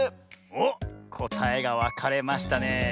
おっこたえがわかれましたねえ。